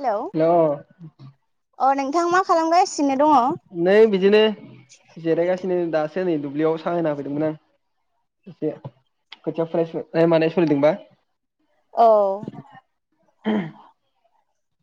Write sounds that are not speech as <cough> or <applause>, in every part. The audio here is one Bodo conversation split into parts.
हेलौ हेल अ नोंथां मा खालामगासिनो दङ? नै बिदिनो जिरायगासिनो दा सो नै दुब्लियाव साहा होना हो फैदोंमोन आं एसे खोथिया फुयनाय मानाय सोलिदोंबा औ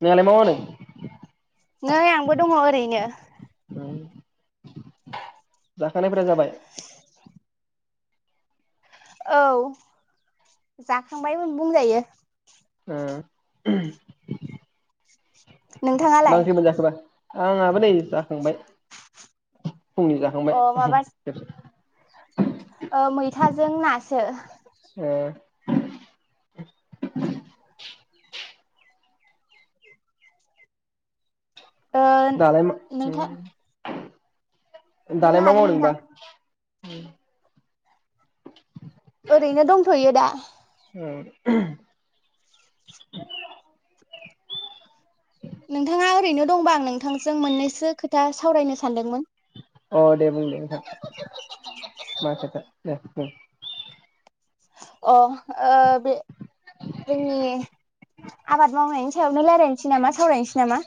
नोंहालाय मा मावदों नै आंबो दङ ओरैनो जाखानायफोरा जाबाय औ जाखांबायमोन बुंजायो उम मा नोंथाङालाय? ओंख्रि मोनजाखो बा आंहाबो नै जाखांबाय फुंनि अ जाखांबाय माबा ओ मैथाजों नासो ओ <inaudible> ओ दालाय मा नोंथा उम दालाय मा मावदोंबा <inaudible> ओरैनो दंथ'यो दा। ओ <unintelligible> नोंथाङा ओरैनो दंबा आं नोंथांजों मोननैसो खोथा सावरायनो सानदोंमोन। अ दे बुं दे नोंथां। मा खोथा दे बुं। अ ओ बे जोंनि आबाद मावनाय सायावनो रायलायनोसै नामा सावरायनोसै नामा?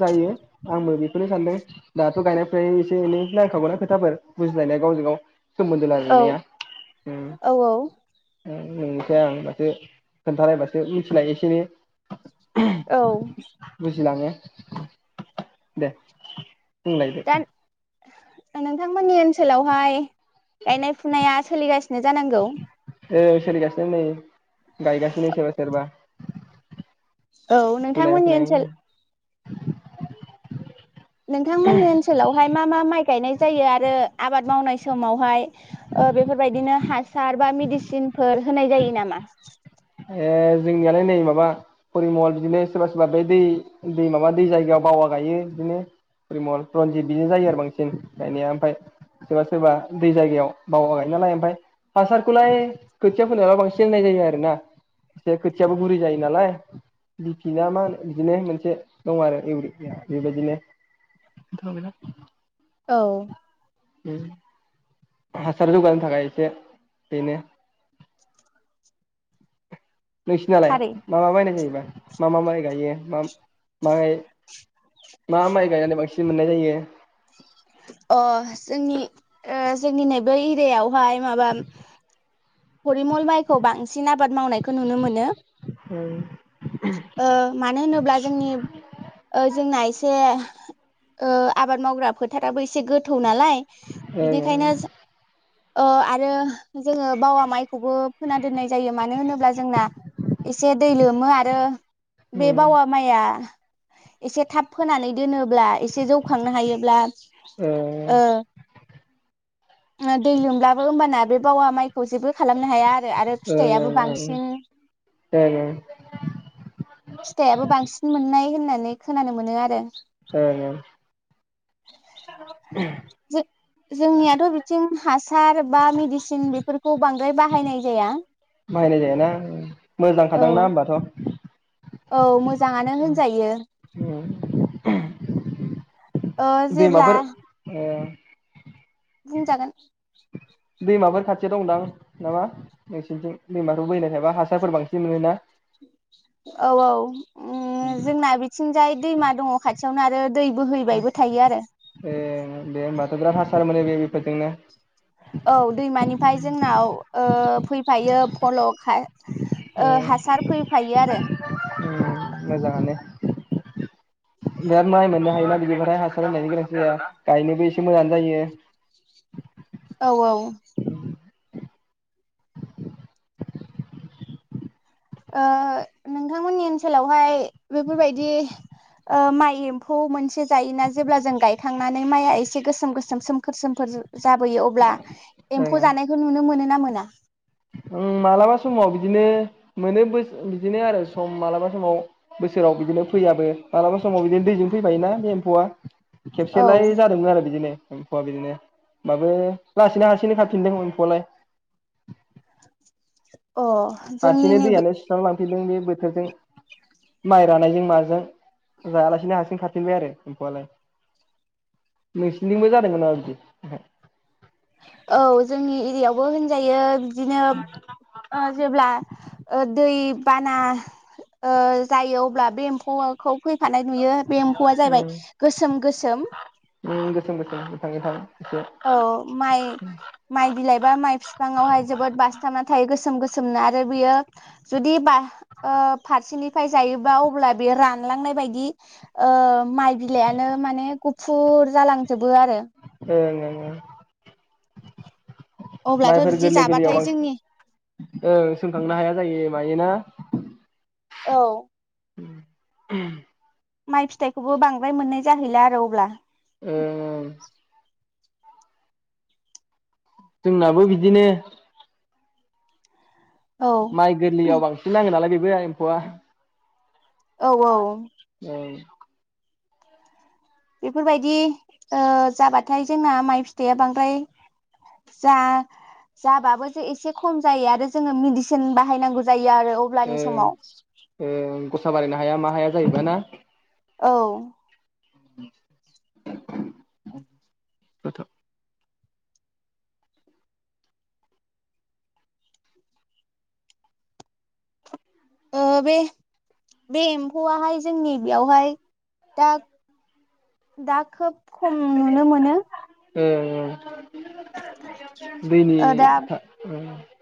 जायो आंबो बेखौनो सानदों दाथ' गायना फुनायनि एसे एनै नांखागौना खोथाफोर बुजिलायनाया गावजों गाव सोमोन्दो औ लालायनाया ओं औ नोंनिखो आं बासो खोन्थालायबासो मिथिलायो एसेनो। औ। दे होनलायदो दा नोंथांमोननि ओनसोलावहाय गायनाय फुनाया सोलिगासिनो जानांगौ। ओ सोलिगासिनो नै गायगासिनो सोरबा सोरबा औ फुनाय नोंथांमोननि ओनसोल फुनाय नोंथांमोननि ओनसोलावहाय मा मा माइ गायनाय जायो आरो आबाद मावनाय समावहाय ओ बेफोरबायदिनो हासार बा मिडिसिनफोर होनाय जायो नामा? ए जोंनियालाय नै माबा फरिमल बिदिनो सोरबा सोरबा बे दै दै माबा दै जायगायाव बावा गायो बिदिनो फरिमल रनजित बिदि जायो आरो बांसिन गायनाया ओमफाय सोरबा सोरबा दै जायगायाव बावा गायो नालाय ओमफाय हासारखौलाय खोथिया फोनालाय बांसिन नाय जायो आरोना एसे खोथियाबो गुरै जायो नालाय बि फि ना मा बिदिनो मोनसे दं आरो एवरि बेबायदिनो औ। उम। हासार होबानो थाखायो जे बेनो नोंसिनालाय थारै मा मा बायनाय जायोबा मा मा माइ गायो मा? माय मा माइ गायनानै बांसिन मोननाय जायो? अ जोंनि ओ जोंनि नैबे एरियायावहाय माबा फरिमल माइखौ बांसिन आबाद मावनायखौ नुनो मोनो ओं ओ मानो होनोब्ला जोंनि ओ जोंना एस से ओ आबाद मावग्रा फोथाराबो एसे गोथौ नालाय ओं बिनिखायनो ओ आरो जोङो बावा माइखौबो फोना दोननाय जायो मानो होनोब्ला जोंना एसे दै लोमो आरो बे ओं बावा माइआ एसे थाब फोनानै दोनो ब्ला एसे जौखांनो हायोब्ला ओं ओ ओ दै लोमलाबो होमबाना बे बावा माइखौ जेबो खालामनो हाया आरो आरो ओं ओं फिथायाबो बांसिन ओं फिथायाबो बांसिन मोननाय होनना नै खोनानो मोनो आरो ओं ओं जे जोंनियाथ' बिथिं हासार बा मिदिसिन बेफोर खौ बांद्राय बाहायनाय जाया बाहायनाय जायाना ओ मोजां औ खादांना होमबाथ' औ मोजाङानो होनजायो <unintelligible> ओ जेब्ला दैमाफोर ओ बुंजागोन दैमाफोर खाथियाव दंदां नामा नोंसिरनिथिं दैमाफोर बोैनायखायबा हासारफोर बांसिन मोनोना औ औ जोंना बिथिंजाय दैमा दङ खाथि थियावनो आरो दै बोहैबायबो थायो आरो ए दे होमबाथ' बिराद हासार मोनो बे बेफोरजोंनो औ दैमानिफ्राय जोंनाव ओ फैफायो फल' ओ ए हासार फैफायो आरो मोजाङानो बिराद माइ मोननो हायोना बिदिफोरहाय हासार होननायनि गोनांथि जाया गायनोबो एसे मोजाङानो जायो औ औ ओ नोंथांमोननि ओनसोलावहाय बेफोरबायदि माइ एम्फौ मोनसे जायोना जेब्ला जों गायखांनानै माइआ एसे गोसोम गोसोम सोमखोर सोमखोर जाबोयो अब्ला एम्फौ जानायखौ नुनो मोनो ना मोना ओ मालाबा समाव बिदिनो मोनो बिदिनो आरो सम मालाबा समाव बोसोराव बिदिनो फैयाबो मालाबा समाव बिदिनो दैजों फैफायोना बे एम्फौआ औ खेबसेलाय जादोंमोन आरो बिदिनो एम्फौआ बिदिनो ओमबाबो लासैनो हारसिंनो खाफिनदों एम्फौआलाय अ <unintelligible> <unintelligible> जोंनि नैबे बे बोथोरजों माइ नानायजों माजों जायालासिनो हारसिं खाफिनबाय आरो एम्फौआलाय नोंसिरथिंबो जादों नामा बिदि औ जोंनि एरियायावबो होनजायो बिदिनो ओ जेब्ला दै बाना ओ जायो अब्ला बे एम्फौखौ फैफानाय नुयो बे एम्फौआ जाहैबाय ओम गोसोम गोसोम गोसोम गोसोम गोथां गोथां एसे औ माइ माइ बिलाइबा माइ बिफाङावहाय जोबोद बासथाबना थायो गोसोम गोसोम सोमनो आरो बियो जुदि बा ओ फारसेनिफ्राय जायोबा अब्ला बे रा रानलांनाय बायदि ओ माइ बिलाइानो माने गुफुर जालांजोबो आरो ओं ओं ओं अब्लाथ' माइफोर बिदि गोरलै गोरलैयाव जाबाथाय जोंनि बांसिन ओं सोमखांनो हाया जायो मायना औ <inaudible> माइ फिथाइखौबो बांद्राय मोननाय जाहैला आरो अब्ला ओ जोंनाबो बिदिनो औ माइ गोरलैयाव बांसिन नाङो नालाय बे <unintelligible> औ औ ओं बेफोरबायदि ओ जाबाथाय जोंना माइ फिथाइया बांद्राय जा जाबाबो जे एसे खम जायो आरो जोङो मेडिसिन बाहायनांगौ जाय ो आरो अब्लानि ओं समाव ओं गसा बारायनो हाया मा हाया जाहैबाय ना औ खथ' ओ बे बे एम्फौआहाय जोंनि बेयावहाय दा दा खोब खम नुनो मोनो ओं ओं ओ दा दैनि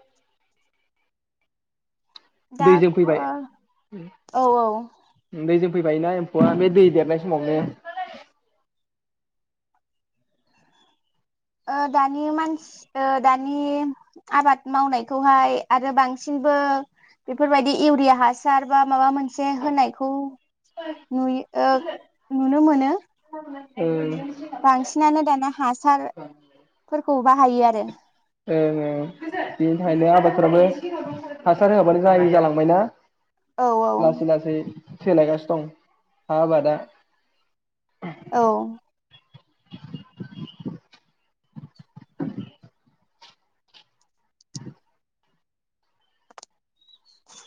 दैजों फैबाय दा औ औ फैबाय ना एम्फौआ बे दै देरनाय समावनो ओ दानि मानसि ओ दानि आबाद मावनायखौहाय आरो बांसिनबो बेफोरबायदि इउरिया हासार बा माबा मोनसे होनायखौ नुयो ओ नुनो मोनो ओ बांसिनानो दाना हासारफोरखौ बाहायो आरो ओं ओं बेनि थाखायनो आबादफोराबो हासार होआबानो जायि जालांबायना औ औ लासै लासै सोलाय गासिनो दं आबादा औ <inaudible>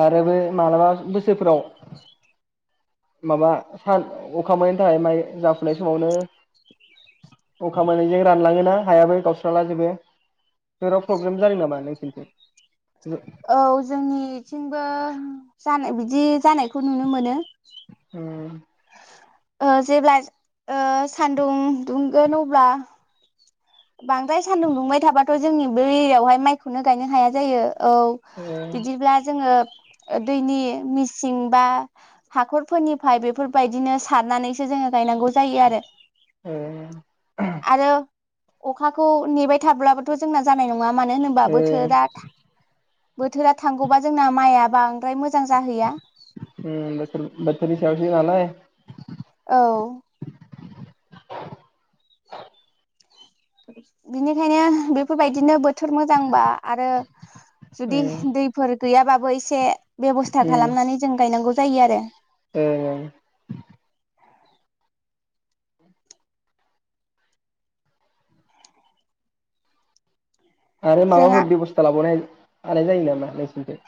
आरो बै मालाबा बोसोरफ्राव माबा सान अखा मोननायनि थाखाय माइ जाफुनाय समावनो अखा मोनैजों रानलाङोना हायाबो गावस्राला जेबो जेराव प्रब्लेम जादों नामा नोंसोरनिथिं औ जोंनिथिंबो जानाय बिदि जानायखौ नुनो मोनो । उम ओ जेब्ला ओ सान्दुं दुंगोन अब्ला बांद्राय सान्दुं दुंबाय थाबाथ' जोंनि बे एरियावहाय माइखौनो गायनो हाया जायो । ओ औ बिदिब्ला जोङो दैनि मिसिं बा हाखरफोरनिफ्राय बेफोरबायदिनो सारनानैसो जोङो गायनांगौ जायो आरो । ए अखाखौ नेबाय थाब्लाबोथ' जोंना जानाय नङा नङा मानो होनबा ओ बोथोरा बोथोरा थांगौबा जोंना माइआ बांद्राय मोजां जाहैया बेफोरनि सायावसो नालाय औ बिनिखायनो बेफोरबायदिनो बोथोर थोर मोजांबा आरो जुदि उम दैफोर गैयाब्लाबो एसे बेब'स्था खालामनानै जों गायनांगौ जायो आरो औ औ आरो जोंहा माबाफोर बेब'स्था लाबावनाय आनाय जायो नामा नोंसिनिथिं?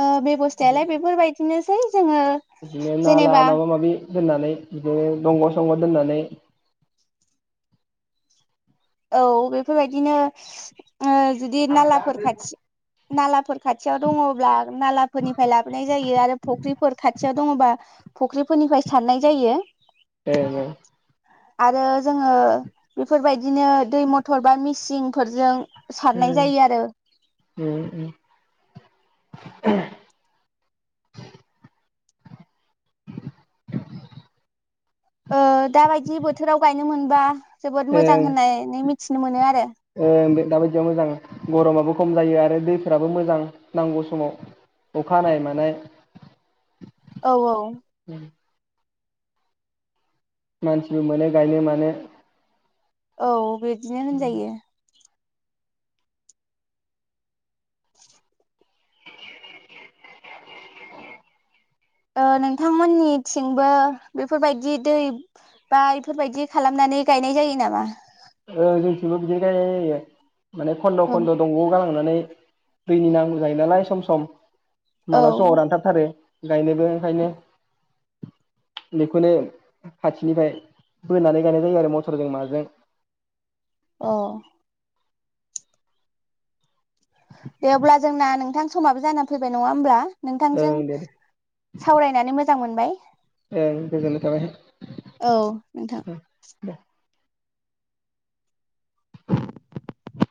ओ बेबस्थायालाय बेफोरबाय दिनोसै बिदिनो नाला माबा माबि दोननानै बिदिनो दंग' संग' दोननानै औ बेफोरबायदिनो ओ जुदि नालाफोर खाथि नालाफोर खाथियाव दङब्ला नालाफोरनिफ्राय लाबोनाय जायो आरो फख्रिफोर खाथ थियाव दङबा फुख्रिफोरनिफ्राय सारनाय जायो । <unintelligible> आरो जोङो बेफोरबाय दिनो दै मथर बा मिसिंफोरजों सारनाय उम जायो आरो उम उम <inaudible> ओ दाबायदि बोथोराव गायनो मोनबा जोबोद मोजां ओं होननायनै मिथिनो मोनो आरो ओ दाबायदियाव मोजां गरमाबो खम जायो आरो दैफोराबो मोजां नांगौ समाव अखा हानाय मानाय औ औ मानसिबो मोनो गायनो मानो औ बे दिनो होनजायो। <inaudible> ओ नोंथांमोननिथिंबो बेफोरबायदि दै बा इफोरबायदि खालामनानै गायनाय जायो नामा? ओ जोंथिबो बिदिनो गायनाय जायो माने खन्द' औ खन्द' दंग आव गालां नानै दैनि नांगौ जायो नालाय सम सम औ मालाबा समाव रानथाब थारो। गायनोबो ओंखायनो बेखौनो खाथिनिफाय बोनानै गायनाय जायो आरो मटरजों माजों। अ दे अब्ला जोंना नोंथां समाबो जाना फैबाय नङा होमब्ला। नोंथांजों ओं दे सावरायनानै मोज जां मोनबाय। ओं गोजोननाय औ नोंथां थाबाय। दे <inaudible>